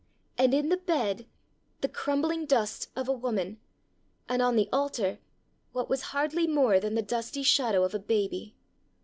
and in the bed the crumbling dust of a woman! and on the altar what was hardly more than the dusty shadow of a baby?"